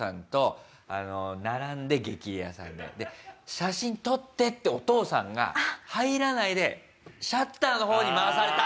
「写真撮って」ってお父さんが入らないでシャッターの方に回された。